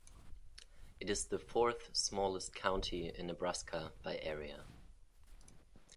It is the fourth-smallest county in Nebraska by area.